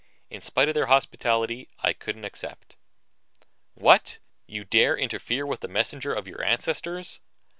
In spite of their hospitality, I couldn't accept. "What you dare interfere with the messenger of your ancestors!"